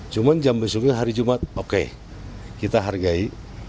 cuma jam besoknya hari jumat oke kita hargai